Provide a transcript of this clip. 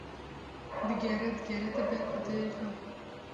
digere digere tê ber xwediyê xwe